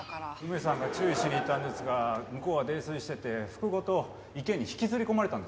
梅さんが注意しに行ったんですが向こうは泥酔してて服ごと池に引きずり込まれたんです。